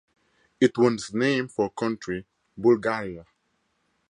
It was named for country Bulgaria.